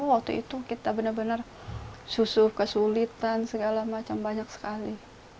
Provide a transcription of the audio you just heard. waktu itu kita benar benar susu kesulitan segala macam banyak sekali